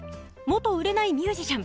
売れないミュージシャン